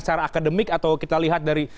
secara akademik atau kita lihat dari